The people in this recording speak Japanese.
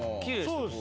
そうですね。